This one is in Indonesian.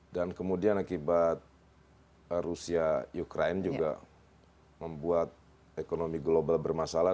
dan kemudian akibat rusia ukraine juga membuat ekonomi global bermasalah